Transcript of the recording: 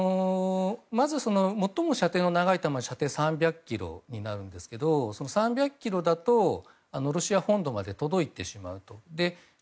まず最も射程の長い弾は射程３００ｋｍになるんですけれども３００ｋｍだとロシア本土まで届いてしまうと。